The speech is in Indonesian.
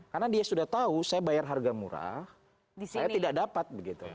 karena dia sudah tahu saya bayar harga murah saya tidak dapat